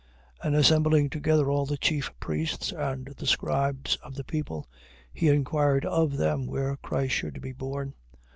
2:4. And assembling together all the chief priests and the scribes of the people, he inquired of them where Christ should be born.